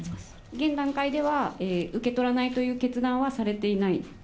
現段階では、受け取らないという決断はされていない？